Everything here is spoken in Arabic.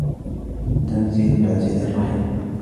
تنزيل العزيز الرحيم